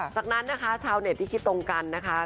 จากนั้นนะคะชาวเน็ตที่คิดตรงกันนะคะ